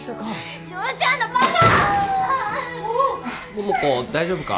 桃子大丈夫か？